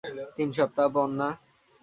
তিন সপ্তাহ পর না?